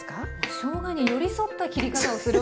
しょうがに寄り添った切り方をするわけですね。